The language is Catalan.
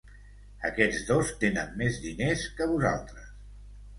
Aquests dos tenen més diners que vosaltres!